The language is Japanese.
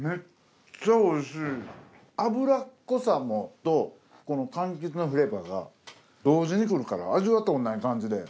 脂っこさとこの柑橘のフレーバーが同時にくるから味わったことない感じで。